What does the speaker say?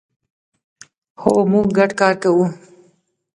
هو، موږ ګډ کار کوو